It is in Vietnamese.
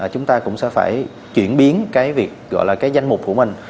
chúng ta cũng sẽ phải chuyển biến cái việc gọi là cái danh mục của mình